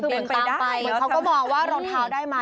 เหมือนต่างไปเขาก็บอกว่ารองเท้าได้มา